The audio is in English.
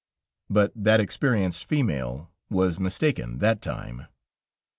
But that experienced female was mistaken that time.